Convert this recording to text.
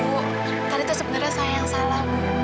bu tadi itu sebenarnya saya yang salah bu